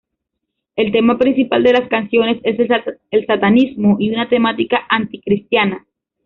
El tema principal de las canciones es el satanismo y una temática anti-cristiana.